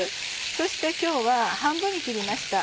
そして今日は半分に切りました。